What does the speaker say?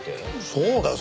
そうだよ！